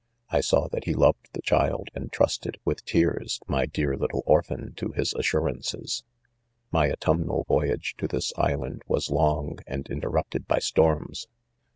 I saw that he loved the child, and trust ed, with tears, my dear little orphan to his as surances. c My autumnal voyage to this island was long end interrupted by storms.